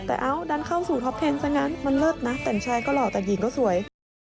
แต่เอ้าดันเข้าสู่ท็อปเทนต์ซะงั้นมันเลิศนะแต่งชายก็หล่อแต่หญิงก็สวย